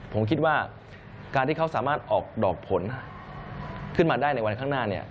ผมคิดว่าการที่เขาสามารถออกดอกผลขึ้นมาได้ในวันข้างหน้า